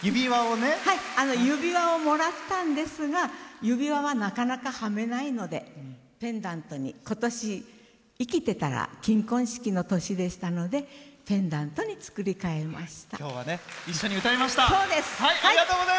指輪をもらったんですが指輪は、なかなかはめないのでペンダントに今年生きてたら金婚式の年でしたのでペンダントに作り変えました。